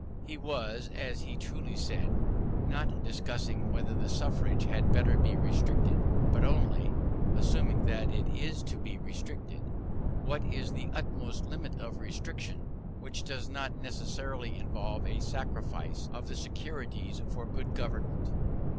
He was, as he truly said, not discussing whether the suffrage had better be restricted, but only (assuming that it is to be restricted) what is the utmost limit of restriction which does not necessarily involve a sacrifice of the securities for good government.